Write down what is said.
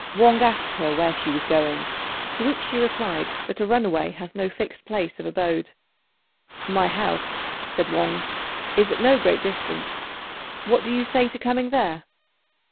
Wang asked her where she was going; to which she replied that a runaway had no fixed place of abode. "My house," said Wang, "is at no great distance; what do you say to coming there?"